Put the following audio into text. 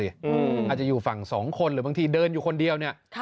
อาจจะอยู่ฝั่งสองคนหรือบางทีเดินอยู่คนเดียวเนี่ย